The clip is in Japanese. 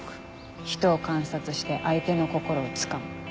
ひとを観察して相手の心をつかむ。